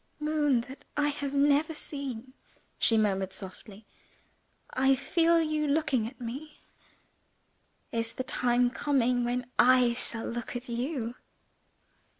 "Moon that I have never seen," she murmured softly, "I feel you looking at me! Is the time coming when I shall look at You?"